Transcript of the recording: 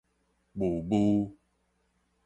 霧霧